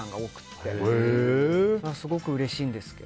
これはすごくうれしいんですけど。